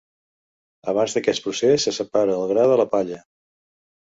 Abans d'aquest procés se separa el gra de la palla.